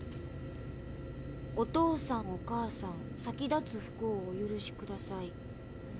「お父さんお母さん先立つ不幸をお許しください」。